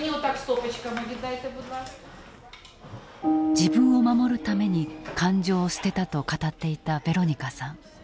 自分を守るために感情を捨てたと語っていたヴェロニカさん。